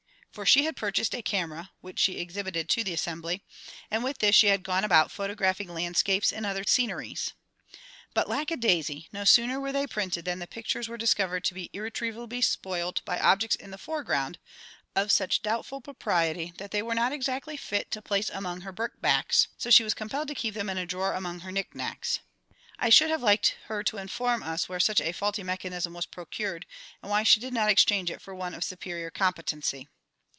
For she had purchased a camera (which she exhibited to the assembly), and with this she had gone about photographing landscapes and other sceneries. But, lack a daisy! no sooner were they printed than the pictures were discovered to be irretrievably spoilt by objects in the foreground of such doubtful propriety that they were not exactly fit to place among her brick backs, so she was compelled to keep them in a drawer among her knick nacks! I should have liked her to inform us where such a faulty mechanism was procured, and why she did not exchange it for one of superior competency.